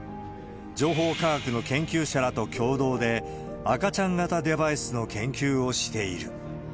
情報科学の研究者らと共同で、赤ちゃん型デバイスの研究をしている。